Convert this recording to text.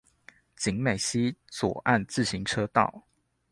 景美溪左岸自行車道